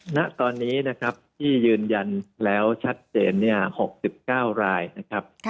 ณตอนนี้นะครับที่ยืนยันแล้วชัดเจน๖๙รายนะครับ